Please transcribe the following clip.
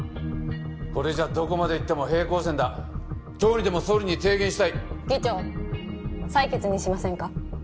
これじゃどこまで行っても平行線だ今日にでも総理に提言したい議長採決にしませんか？